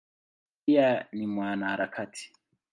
Pia ni mwanaharakati.